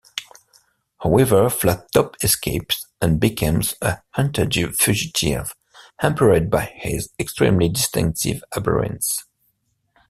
However, Flattop escapes and becomes a hunted fugitive hampered by his extremely distinctive appearance.